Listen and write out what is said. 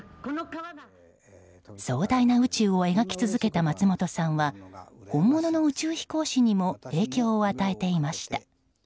壮大な宇宙を描き続けた松本さんは本物の宇宙飛行士にも影響を与えていました。